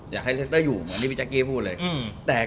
อยากให้เลสเตอร์อยู่อันนี้พี่จักรีย์พูดเลย